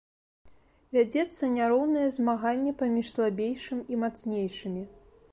Вядзецца няроўнае змаганне паміж слабейшым і мацнейшымі.